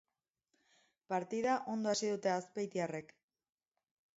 Partida ondo hasi dute azpeitiarrek.